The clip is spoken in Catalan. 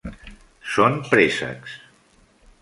Són préssecs.